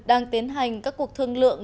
đang tiến hành các cuộc thương lượng